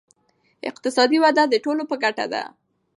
اقتصادي وده د ټولو په ګټه ده.